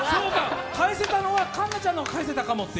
返せたのは、環奈ちゃんのは返せたかもと。